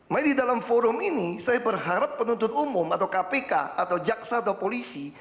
makanya di dalam forum ini saya berharap penuntut umum atau kpk atau jaksa atau polisi